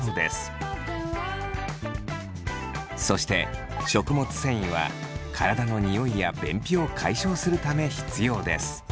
そして食物繊維は体の臭いや便秘を解消するため必要です。